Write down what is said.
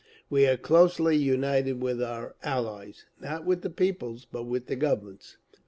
We are closely united with our Allies. (Not with the peoples, but with the Governments.)